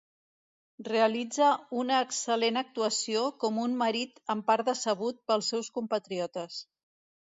Realitza una excel·lent actuació com un marit en part decebut pels seus compatriotes.